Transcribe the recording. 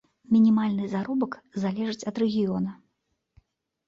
Мінімальны заробак залежыць ад рэгіёна.